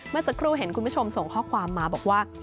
เมื่อสักครู่เห็นคุณผู้ชมส่งข้อความมาบอกว่า